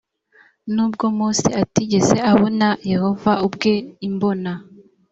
n ubwo mose atigeze abona yehova ubwe imbona